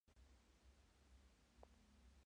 Su primer libro de versos se llamó "Musa nueva".